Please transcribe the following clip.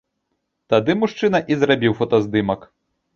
Тады мужчына і зрабіў фотаздымак.